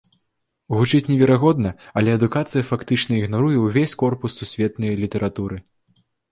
Гучыць неверагодна, але адукацыя фактычна ігнаруе ўвесь корпус сусветнай літаратуры.